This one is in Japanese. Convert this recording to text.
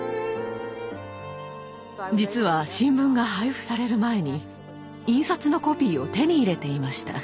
実は新聞が配布される前に印刷のコピーを手に入れていました。